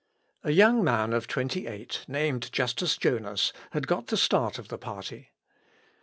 ] A young man of twenty eight, named Justus Jonas, had got the start of the party.